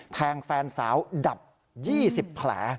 แฟนสาวดับ๒๐แผล